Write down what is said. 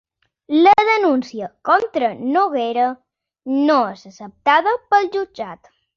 La denúncia contra Noguera no és acceptada pel jutjat